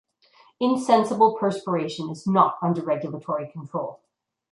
Insensible perspiration is not under regulatory control.